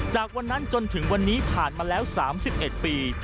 จากวันนั้นจนถึงวันนี้ผ่านมาแล้ว๓๑ปี